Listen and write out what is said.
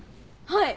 はい。